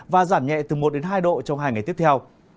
và giảm nhẹ từ một hai độ trong hai ngày tiếp theo